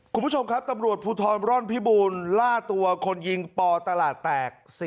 คุณผู้ชมครับตำรวจภูทรร่อนพิบูลล่าตัวคนยิงปตลาดแตก